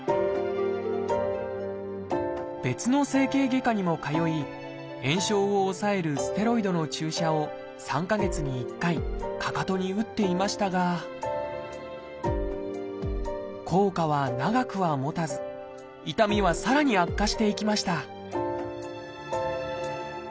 別の整形外科にも通い炎症を抑えるステロイドの注射を３か月に１回かかとに打っていましたが効果は長くはもたず痛みはさらに悪化していきました